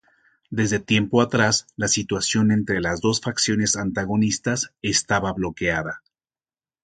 Desde tiempo atrás la situación entre las dos facciones antagonistas estaba bloqueada.